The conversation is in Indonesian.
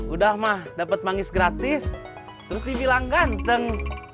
udah mah dapet manggis gratis terus dibilang ganteng